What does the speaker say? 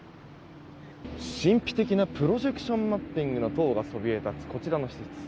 神秘的なプロジェクションマッピングの塔がそびえ立つこちらの施設です。